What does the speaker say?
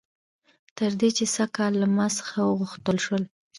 تر دې چې سږ کال له ما څخه وغوښتل شول